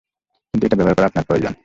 কিন্তু এটা ব্যবহার করা, আপনার প্রয়োজন।